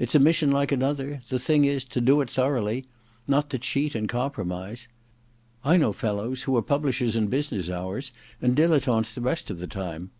It's a mission like another — the thing is to do it thoroughly ; not to cheat and compromise. I know fellows who are pub lishers in business hours and dilettantes the rest of the time.